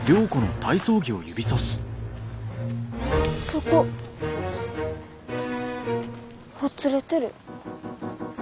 そこほつれてる。